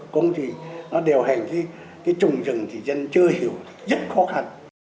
công ty nó điều hành cái trùng rừng thì dân chưa hiểu rất khó khăn